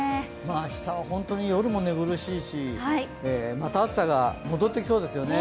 明日は本当に夜も寝苦しいし、また暑さが戻ってきそうですよね。